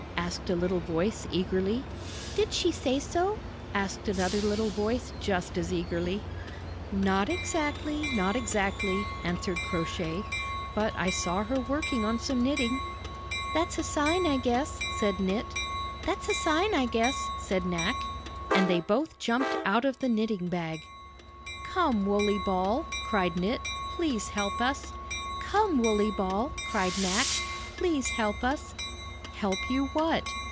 asked a little voice eagerly. "Did she say so?" asked another little voice just ^^ as eagerly. 'Now tkea unpack!' 146 Knitting and Crocheting Book ''Not exactly, not exactly," answered Crow Shay; ''but I saw her working on some knitting." "That's a sign, I guess," said Knit. "That's a sign, I guess," said I^ack. And they both jumped out of the knitting bag. "Come, Wooley Ball," cried Knit, "please help us." "Come, Wooley Ball," cried Knack, "please help us." "Help you what?"